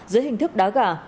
giữa hình thức đá gà